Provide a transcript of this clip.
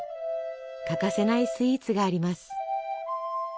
欠かせないスイーツがあります。